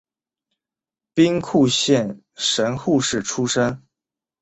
兵库县神户市出身。